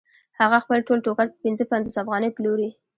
هغه خپل ټول ټوکر په پنځه پنځوس افغانیو پلوري